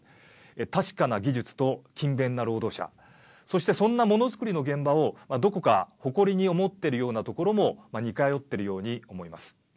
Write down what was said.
確かな技術と勤勉な労働者そしてそんなものづくりの現場をどこか誇りに思っているようなところも似通っているように思います。